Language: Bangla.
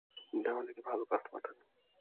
দিওয়ালিতে ভালো কাস্টমার থাকে।